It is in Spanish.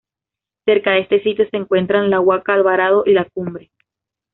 Cerca de este sitio se encuentran la Huaca Alvarado y la Cumbre.